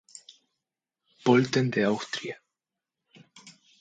Pölten de Austria.